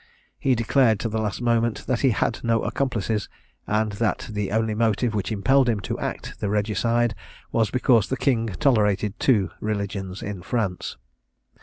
He declared to the last moment that he had no accomplices, and that the only motive which impelled him to act the regicide was, because the king tolerated two religions in France.